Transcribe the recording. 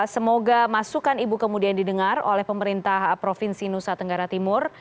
semoga masukan ibu kemudian didengar oleh pemerintah provinsi nusa tenggara timur